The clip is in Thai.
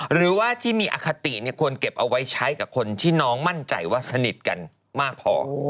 หรือว่าที่มีอคติควรเก็บเอาไว้ใช้กับคนที่น้องมั่นใจว่าสนิทกันมากพอ